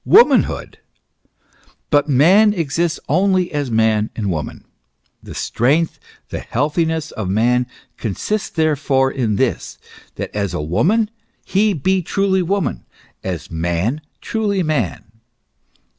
Womanhood. But man exists only as man and woman. The strength, the healthiness of man, consists there fore in this : that as a woman, he be truly woman ; as man, truly man.